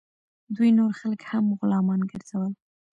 دوی نور خلک هم غلامان ګرځول.